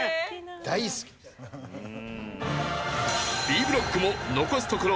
Ｂブロックも残すところ